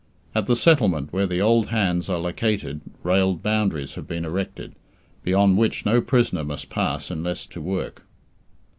At the settlement where the "old hands" are located railed boundaries have been erected, beyond which no prisoner must pass unless to work.